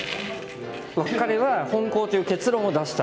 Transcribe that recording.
彼は本コウという結論を出した。